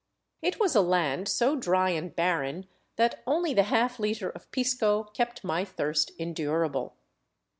It was a land so dry and barren that only the half liter of pisco kept my thirst endurable.